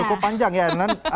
cukup panjang ya nen